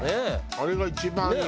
あれが一番いい。